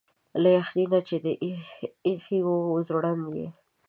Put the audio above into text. له يخني نه چي دي ا يښي وو ځونډ يه